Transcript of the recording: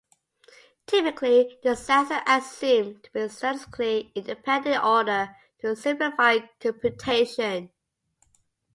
Typically the cells are assumed to be statistically independent in order to simplify computation.